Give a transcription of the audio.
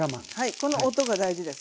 この音が大事です。